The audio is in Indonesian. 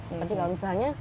seperti kalau misalnya